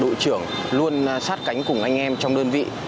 đội trưởng luôn sát cánh cùng anh em trong đơn vị